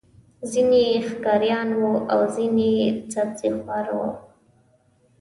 ځینې یې ښکاریان وو او ځینې یې سبزيخواره وو.